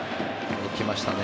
動きましたね。